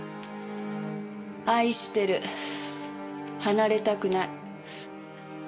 「愛してる」「離れたくない」。